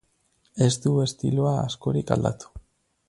Ez du estiloa askorik aldatu.